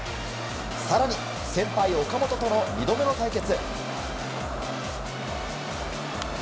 更に先輩・岡本との２度目の対決。